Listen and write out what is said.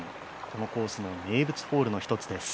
このコースの名物ホールの一つです。